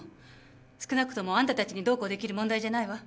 少なくともあんたたちにどうこうできる問題じゃないわ。